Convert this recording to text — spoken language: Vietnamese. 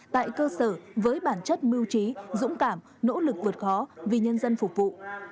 tại cơ sở với bản chất mưu trí dũng cảm nỗ lực vượt khó vì nhân dân phục vụ